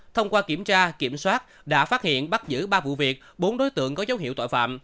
thông qua kiểm tra kiểm soát đã phát hiện bắt giữ ba vụ việc bốn đối tượng có dấu hiệu tội phạm